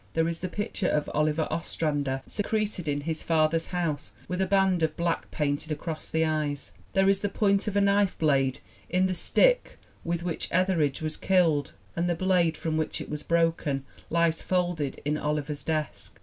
There .is the picture of Oliver Ostrander secreted in his fath 208 THE WOMEN WHO MAKE OUR NOVELS er's house with a band of black painted across the eyes. There is the point of a knife blade in the stick with which Etheridge was killed, and the blade from which it was broken lies folded in Oliver's desk.